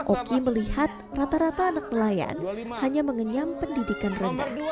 oki melihat rata rata anak pelayan hanya mengenyam pendidikan romer